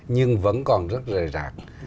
nhưng vẫn còn rất rời rạc